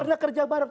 pernah kerja bareng